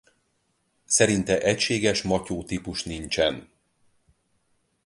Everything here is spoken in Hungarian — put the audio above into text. Szerinte egységes matyó típus nincsen.